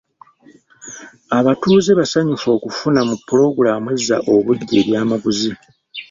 Abatuuze basanyufu okufuna mu pulogulaamu ezza obuggya ebyamaguzi